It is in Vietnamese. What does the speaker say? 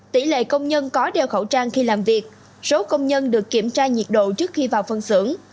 tỷ lệ công nhân có đeo khẩu trang khi làm việc số công nhân được kiểm tra nhiệt độ trước khi vào phân xưởng